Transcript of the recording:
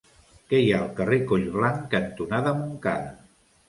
Què hi ha al carrer Collblanc cantonada Montcada?